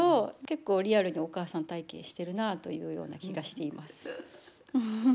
結構リアルにお母さん体験してるなというような気がしています。